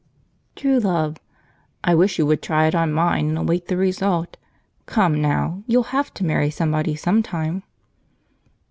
'" True Love. "I wish you would try it on mine and await the result. Come now, you'll have to marry somebody, sometime."